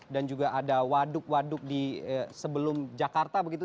dan juga ada waduk waduk sebelum jakarta begitu